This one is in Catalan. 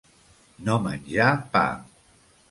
No menjar pa.